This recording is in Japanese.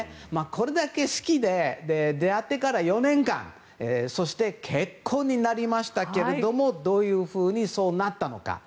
これだけ好きで出会ってから４年間そして結婚になりましたけれどもどういうふうにそうなったのか。